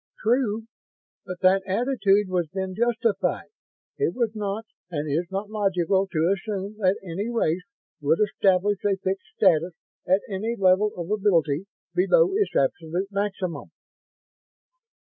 "True. But that attitude was then justified. It was not and is not logical to assume that any race would establish a fixed status at any level of ability below its absolute maximum."